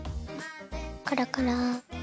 コロコロ。